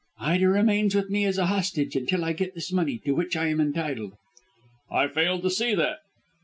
"Ida remains with me as a hostage until I get this money, to which I am entitled." "I fail to see that."